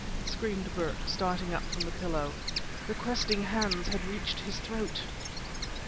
screamed Burke, starting up from the pillow. The questing hands had reached his throat!